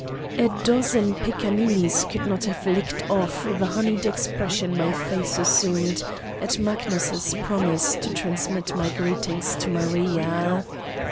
A dozen pickaninnies could not have licked off the honeyed expression my face assumed at Mag nus' promise to transmit my greetings to Maria.